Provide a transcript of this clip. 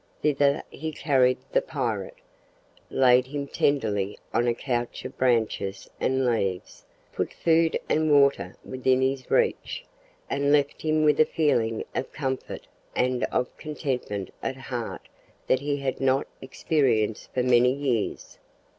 Thither he carried the pirate, laid him tenderly on a couch of branches and leaves, put food and water within his reach, and left him with a feeling of comfort and of contentment at heart that he had not experienced for many years.